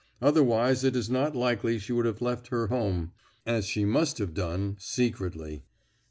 Otherwise it is not likely she would have left her home, as she must have done, secretly.